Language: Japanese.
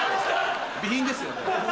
備品ですよね？